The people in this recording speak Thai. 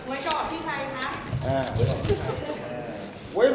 อ่าพี่ไทยคะอ่าเอาออกเถอะ